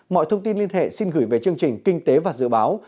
mọi thông tin liên hệ xin gửi về chương trình kinh tế và dự báo